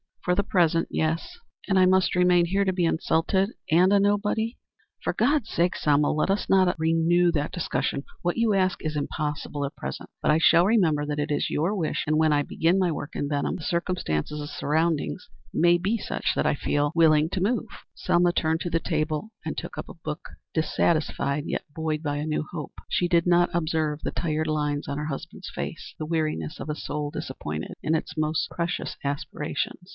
"For the present, yes." "And I must remain here to be insulted and a nobody." "For God's sake, Selma, let us not renew that discussion. What you ask is impossible at present, but I shall remember that it is your wish, and when I begin my work at Benham the circumstances and surroundings may be such that I shall feel willing to move." Selma turned to the table and took up a book, dissatisfied, yet buoyed by a new hope. She did not observe the tired lines on her husband's face the weariness of a soul disappointed in its most precious aspirations.